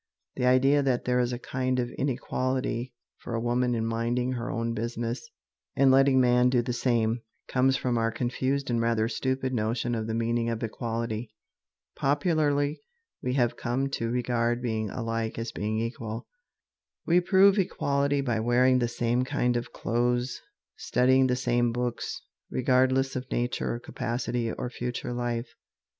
The idea that there is a kind of inequality for a woman in minding her own business and letting man do the same, comes from our confused and rather stupid notion of the meaning of equality. Popularly we have come to regard being alike as being equal. We prove equality by wearing the same kind of clothes, studying the same books, regardless of nature or capacity or future life.